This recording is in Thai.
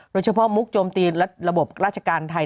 โดยเฉพาะมุกโจมตีระบบราชการไทย